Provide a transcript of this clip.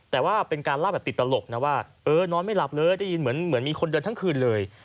แต่ว่าเป็นการเล่าแบบติดตลกนะว่าเออนอนไม่หลับเลยได้ยินเหมือนมีคนเดินทั้งคืนเลย